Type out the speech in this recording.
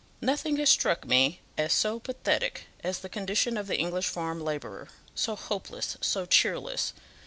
Nothing has struck me as so pathetic as the condition of the English farm labourer so hopeless, so cheerless.